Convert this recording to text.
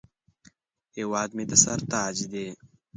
هیواد مې د سر تاج دی